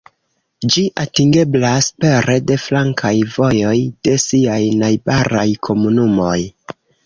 Ĝi atingeblas pere de flankaj vojoj de siaj najbaraj komunumoj.